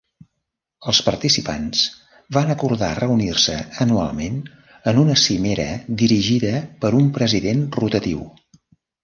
Els participants van acordar reunir-se anualment en una cimera dirigida per un president rotatiu.